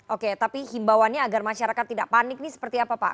oke tapi himbauannya agar masyarakat tidak panik ini seperti apa pak